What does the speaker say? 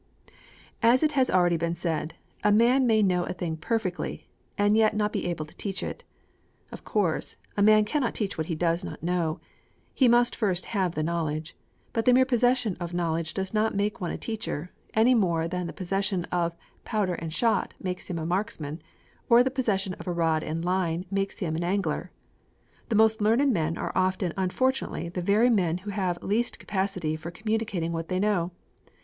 As it has been already said, a man may know a thing perfectly, and yet not be able to teach it. Of course, a man cannot teach what he does not know. He must first have the knowledge. But the mere possession of knowledge does not make one a teacher, any more than the possession of powder and shot makes him a marksman, or the possession of a rod and line makes him an angler. The most learned men are often unfortunately the very men who have least capacity for communicating what they know.